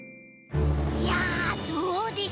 いやどうでした？